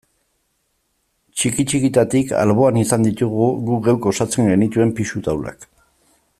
Txiki-txikitatik alboan izan ditugu guk geuk osatzen genituen pisu taulak.